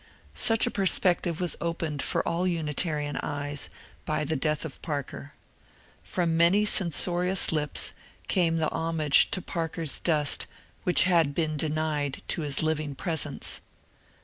Such a perspective was opened for all Unitarian eyes by the death of Parker. From many censorious lips came the HARPER'S FERRY 299 homage to Parker's dust which had been denied to his living presence.